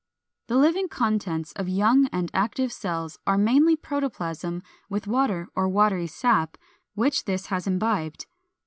414. The living contents of young and active cells are mainly protoplasm with water or watery sap which this has imbibed.